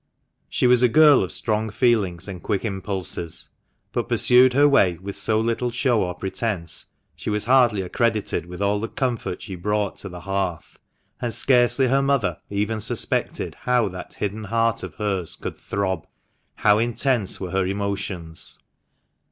She was a girl of strong feelings and quick impulses, but pursued her way with so little show or pretence, she was hardly accredited with all the comfort she brought to the hearth; and scarcely her mother even suspected how that hidden heart of hers could throb — how intense were her emotions.